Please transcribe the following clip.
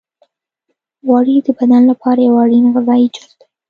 غوړې د بدن لپاره یو اړین غذایي جز دی.